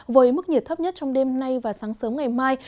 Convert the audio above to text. với mức nhiệt thấp nhất trong đêm nay và sáng sớm ngày mai